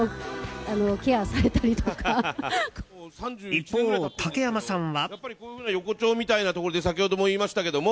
一方、竹山さんは。